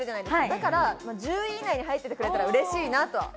だから、１０位以内に入っていたらうれしいなとは。